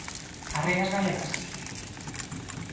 As rías galegas?